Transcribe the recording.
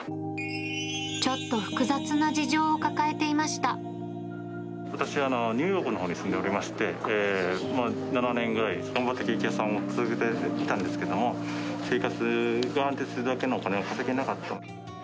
ちょっと複雑な事情を抱えて私はニューヨークのほうに住んでおりまして、７年ぐらい、頑張ってケーキ屋さんを続けていたんですけども、生活が安定するだけのお金が稼げなかった。